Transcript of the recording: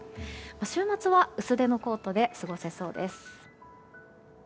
週末は薄手のコートで過ごせそうです。